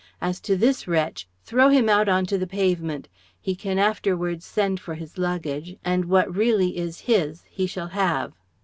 As to this wretch, throw him out on to the pavement. He can afterwards send for his luggage, and what really is his he shall have."